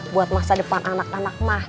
buat masa depan anak anak mah